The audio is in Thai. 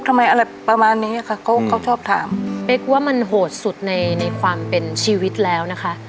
อะไรประมาณนี้ค่ะเขาเขาชอบถามเป๊กว่ามันโหดสุดในในความเป็นชีวิตแล้วนะคะ